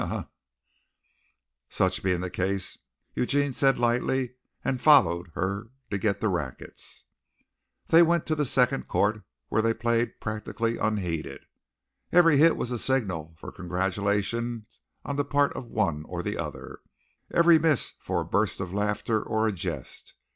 Ha, ha!" "Such being the case " Eugene said lightly, and followed her to get the rackets. They went to the second court, where they played practically unheeded. Every hit was a signal for congratulation on the part of one or the other, every miss for a burst of laughter or a jest.